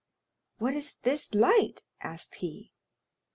"What is this light?" asked he.